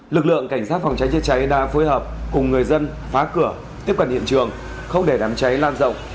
lực lượng cảnh sát phòng cháy chữa cháy đã phối hợp cùng người dân phá cửa tiếp cận hiện trường không để đám cháy lan rộng